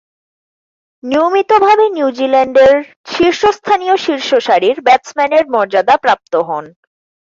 নিয়মিতভাবে নিউজিল্যান্ডের শীর্ষস্থানীয় শীর্ষসারির ব্যাটসম্যানের মর্যাদা প্রাপ্ত হন।